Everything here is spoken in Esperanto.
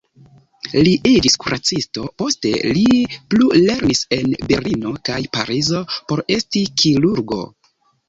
Li iĝis kuracisto, poste li plulernis en Berlino kaj Parizo por esti kirurgo.